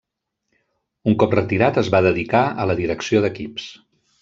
Un cop retirat es va dedicar a la direcció d'equips.